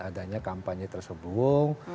adanya kampanye tersebut